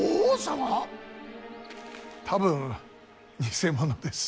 多分偽物です。